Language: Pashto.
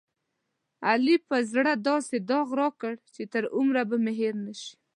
علي په زړه داسې داغ راکړ، چې تر عمره به مې هېر نشي.